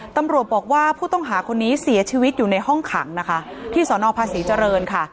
ตำรวจบอกว่าผู้ต้องหาคนนี้เสียชีวิตอยู่ในห้องขังนะคะที่สนภาษีเจริญค่ะ